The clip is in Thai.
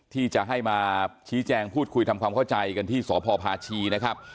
ที่จะให้มาชี้แจงพูดคุยทำความเข้าใจกันที่สพพาชีนะครับ